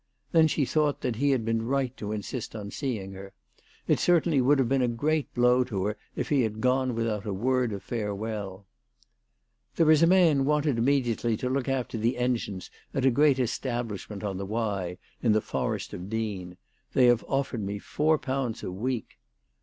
Then she thought that he had been right to insist on seeing her. It would certainly have been a great blow to her if he had gone without a word of farewell. " There is a man wanted immediately to look after the engines at a great establishment on the Wye, in the Forest of Dean. They have offered me four pounds a week."